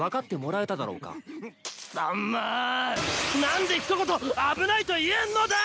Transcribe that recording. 何で一言危ないと言えんのだ！